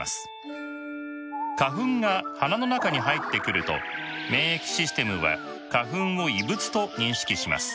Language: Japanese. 花粉が鼻の中に入ってくると免疫システムは花粉を異物と認識します。